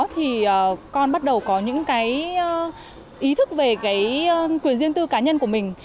thì con bắt đầu có những cái ý thức về cái quyền riêng tư cá nhân của mình